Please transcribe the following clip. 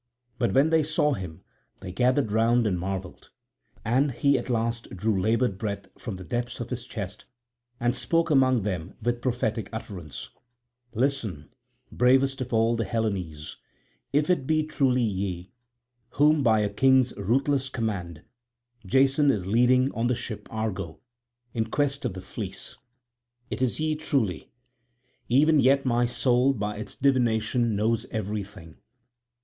But when they saw him they gathered round and marvelled. And he at last drew laboured breath from the depths of his chest and spoke among them with prophetic utterance: "Listen, bravest of all the Hellenes, if it be truly ye, whom by a king's ruthless command Jason is leading on the ship Argo in quest of the fleece. It is ye truly. Even yet my soul by its divination knows everything.